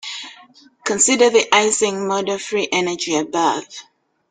Consider the Ising model free energy above.